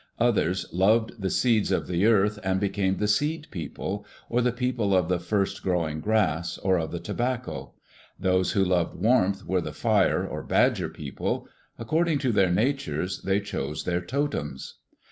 Others loved the seeds of the earth and became the Seed people, or the people of the First growing grass, or of the Tobacco. Those who loved warmth were the Fire or Badger people. According to their natures they chose their totems.